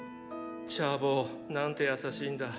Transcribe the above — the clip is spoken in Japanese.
チャー坊なんて優しいんだ。